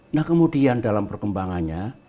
nah kemudian dalam perkembangannya